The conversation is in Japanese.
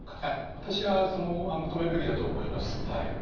私は止めるべきだと思います。